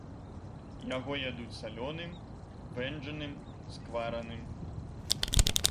Яго ядуць салёным, вэнджаным, сквараным.